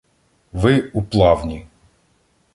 Ви — у плавні.